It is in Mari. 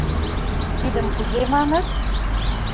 Тидым кузе маныт?